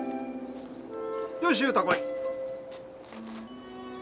よし雄太来い。